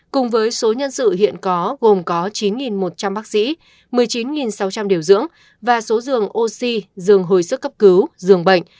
cùng với số nhân sự hiện có gồm có chín một trăm linh bác sĩ một mươi chín sáu trăm linh điều dưỡng và số giường oxy giường hồi sức cấp cứu dường bệnh